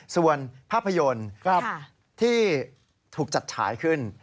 ส่วนภาพยนตร์ที่ถูกจัดฉายขึ้น